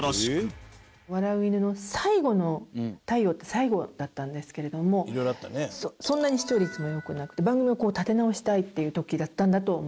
最後だったんですけれどもそんなに視聴率も良くなくて番組を立て直したいっていう時だったんだと思います。